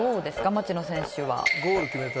町野選手は。